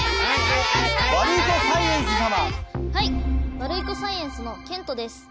ワルイコサイエンスのけんとです。